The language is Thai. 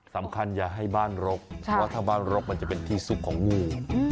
อย่าให้บ้านรกเพราะว่าถ้าบ้านรกมันจะเป็นที่ซุกของงู